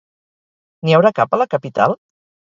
N'hi haurà cap a la capital?